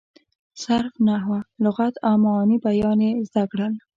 صرف، نحو، لغت او معاني بیان یې زده کړل.